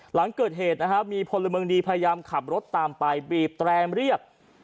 หลังเกิดเหตุนะครับมีพลเมืองดีพยายามขับรถตามไปบีบแรมเรียก